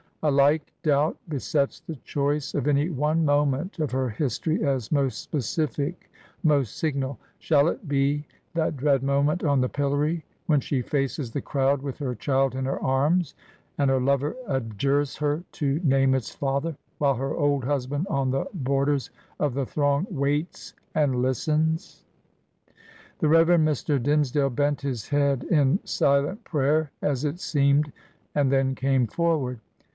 A like doubt besets the choice of any one moment of her history as most specific, most signal. Shall it be that dread mo ment on the pillory, when she faces the crowd with her child in her arms, and her lover adjures her to name its father, while her old husband on the borders of the throng waits and listens? " The Rev. Mr. Dimmesdale bent his head, in silent prayer, as it seemed, and then came forward.